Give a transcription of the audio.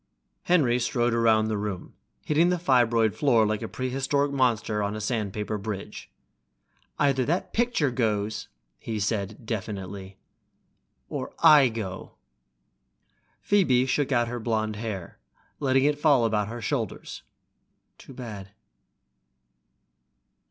Henry strode around the room, hitting the fibroid floor like a prehistoric monster on a sandpaper bridge. "Either that picture goes," he said finally, definitely, "or I go!" Phoebe shook out her blonde hair, letting it fall about her shoulders. "Too bad."